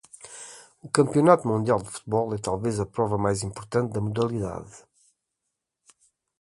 O Campeonato Mundial de Futebol é talvez a prova mais importante da modalidade.